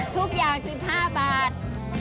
ทุกอย่าง๑๕บาท